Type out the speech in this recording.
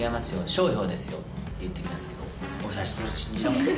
「ショウひょう」ですよって言ってきたんですけど俺最初信じなかったです。